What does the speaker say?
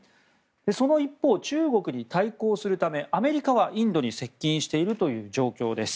その一方、中国に対抗するためアメリカはインドに接近しているという状況です。